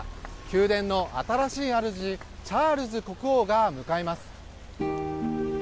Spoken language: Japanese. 宮殿の新しい主チャールズ国王が迎えます。